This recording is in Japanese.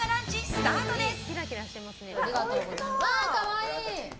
スタートです。